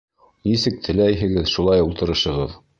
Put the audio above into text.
Нисек теләйһегеҙ, шулай ултырышығыҙ.